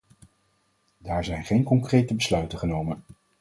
Daar zijn geen concrete besluiten genomen.